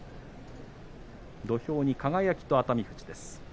土俵に輝と熱海富士です。